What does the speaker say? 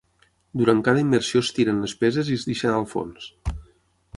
Durant cada immersió es tiren les peses i es deixen al fons.